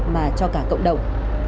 mà cho cả cộng đồng